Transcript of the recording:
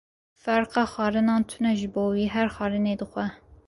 Ferqa xwarinan tune ji bo wî, her xwarinê dixwe.